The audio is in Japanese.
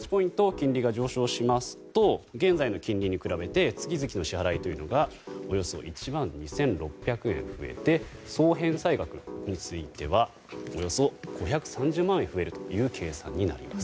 金利が上昇しますと現在の金利に比べて月々の支払いがおよそ１万２６００円増えて総返済額についてはおよそ５３０万円増えるという計算になります。